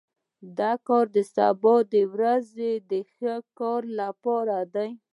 دا کار د سبا ورځې د ښه کار لپاره دی